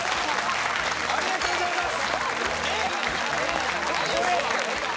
ありがとうございます。